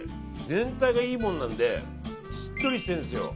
全体がいいものなのでしっとりしてるんですよ。